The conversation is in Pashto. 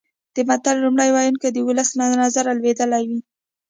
د متل لومړی ویونکی د ولس له نظره لویدلی وي